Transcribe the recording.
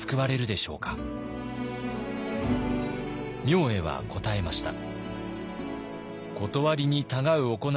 明恵は答えました。